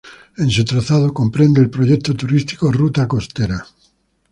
En su trazado, comprende el Proyecto Turístico "Ruta Costera".